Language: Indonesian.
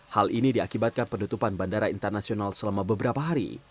hal ini diakibatkan penutupan bandara internasional selama beberapa hari